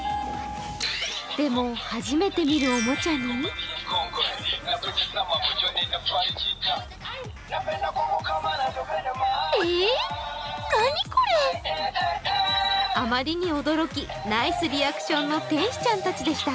でも初めて見るおもちゃにあまりに驚き、ナイスリアクションの天使ちゃんたちでした。